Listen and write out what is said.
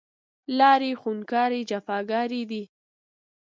لارې خونکارې، جفاکارې دی